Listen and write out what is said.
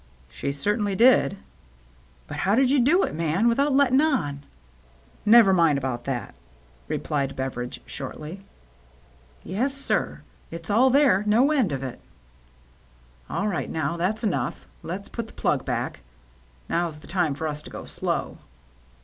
"She certainly did." " But how did you do it, man, without let ting on ?"" Never mind about that," replied Beveridge, shortly. " Yes, sir. It's all there — no end of it." "All right now; that's enough. Let's put the plug back. Now's the time for us to go slow."